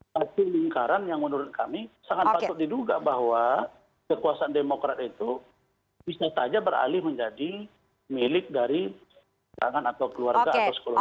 satu lingkaran yang menurut kami sangat patut diduga bahwa kekuasaan demokrat itu bisa saja beralih menjadi milik dari tangan atau keluarga atau sekolah